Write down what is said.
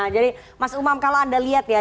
jadi mas umam kalau anda lihat ya